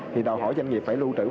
thì đòi hỏi doanh nghiệp phải lưu trữ